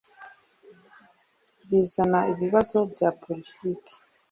bizana ibibazo bya politiki